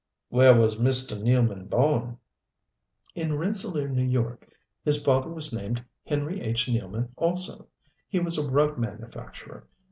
"Where was Mr. Nealman born?" "In Rensselaer, New York. His father was named Henry H. Nealman, also. He was a rug manufacturer.